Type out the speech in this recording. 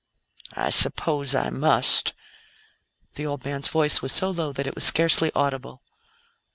"I suppose I must." The old man's voice was so low that it was scarcely audible.